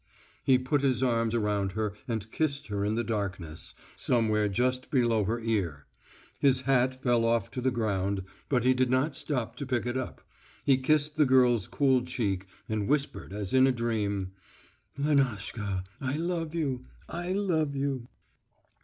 He put his arms around her and kissed her in the darkness, somewhere just below her ear. His hat fell off on to the ground, but he did not stop to pick it up. He kissed the girl's cool cheek, and whispered as in a dream: "Lenotchka, I love you, I love you...."